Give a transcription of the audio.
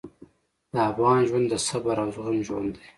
د افغان ژوند د صبر او زغم ژوند دی.